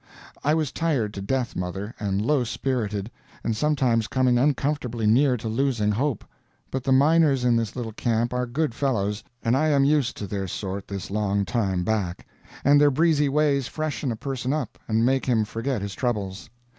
I was tired to death, mother, and low spirited, and sometimes coming uncomfortably near to losing hope; but the miners in this little camp are good fellows, and I am used to their sort this long time back; and their breezy ways freshen a person up and make him forget his troubles.